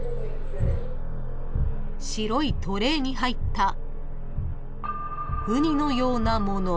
［白いトレーに入ったうにのようなもの］